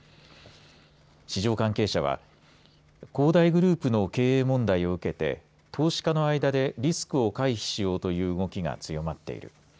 市場関係者は恒大グループの経営問題を受けて投資家の間でリスクを回避しようという動きが強まっている。